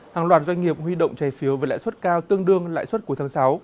hàng loạt doanh nghiệp huy động trái phiếu với lãi suất cao tương đương lãi suất cuối tháng sáu